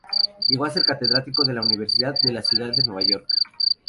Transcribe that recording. Llegó a ser catedrático de la Universidad de la Ciudad de Nueva York.